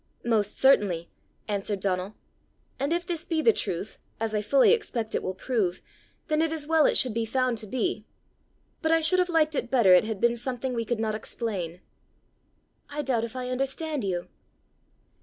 "Most certainly," answered Donal. "And if this be the truth, as I fully expect it will prove, then it is well it should be found to be. But I should have liked better it had been something we could not explain." "I doubt if I understand you."